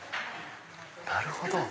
なるほど。